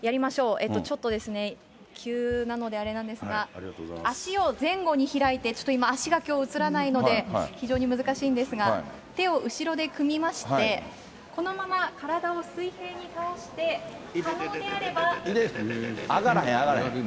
えっと、急なので、あれなんですが、足を前後に開いて、ちょっと今、足がきょう映らないので、非常に難しいんですが、手を後ろで組みまして、このまま体を水平に倒して、可能であれば。上がらへん、上がらへん。